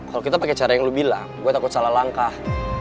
kalau kita pakai cara yang lu bilang gue takut salah langkah